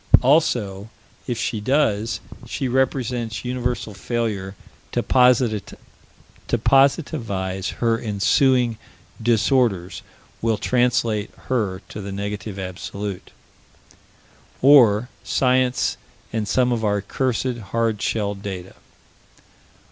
Also, if she does she represents universal failure to positivize: her ensuing disorders will translate her to the Negative Absolute. Or Science and some of our cursed hard shelled data.